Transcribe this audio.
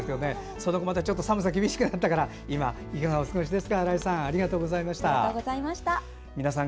その後、また寒さが厳しくなったから今、いかがお過ごしですか？